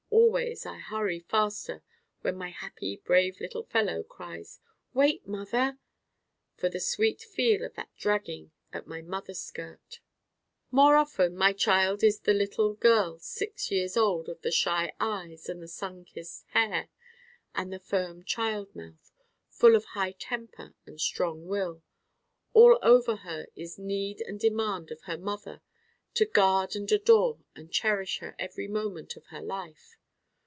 Always I hurry faster when my happy brave little fellow cries, 'Wait, mother,' for the sweet feel of that dragging at my mother skirt More often my Child is the little girl six years old of the shy eyes and the sun kissed hair and the firm child mouth, full of high temper and strong will. All over her is need and demand of her mother to guard and adore and cherish her every moment of her life.